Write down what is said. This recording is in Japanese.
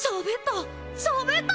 しゃべった。